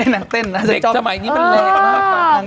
นางเต้นนะเด็กสมัยนี้มันแรงมาก